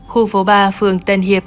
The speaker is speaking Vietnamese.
khu phố ba phường tân hiệp